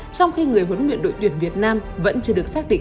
trong khi người huấn luyện đội tuyển việt nam vẫn chưa được xác định